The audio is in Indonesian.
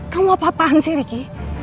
kamu apa apaan sih riki